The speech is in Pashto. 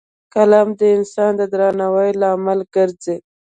قلم د انسان د درناوي لامل ګرځي